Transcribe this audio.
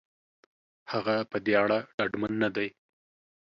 هغه په دې اړه ډاډمن نه دی.